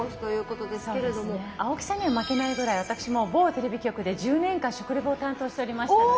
青木さんには負けないぐらい私も某テレビ局で１０年間食レポを担当しておりましたので。